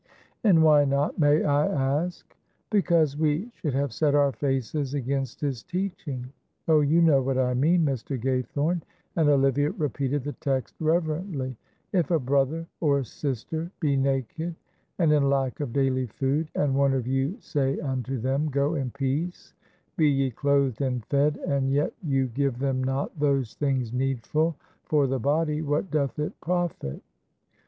"And why not, may I ask?" "Because we should have set our faces against his teaching. Oh, you know what I mean, Mr. Gaythorne," and Olivia repeated the text reverently: "'If a brother or sister be naked and in lack of daily food, and one of you say unto them go in peace, be ye clothed and fed, and yet you give them not those things needful for the body, what doth it profit?'